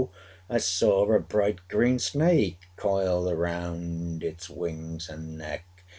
I saw a bright green snake Coiled around its wings and neck.